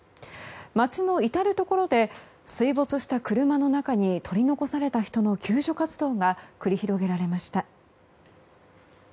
街の至るところで水没した車の中に取り残された人の救助活動が繰り広げられました。